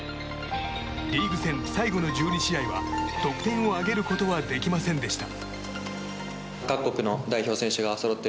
リーグ戦、最後の１２試合は得点を挙げることはできませんでした。